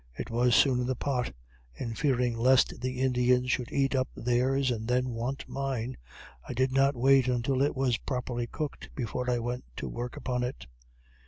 It was soon in the pot, and fearing lest the Indians should eat up theirs and then want mine, I did not wait until it was properly cooked before I went to work upon it.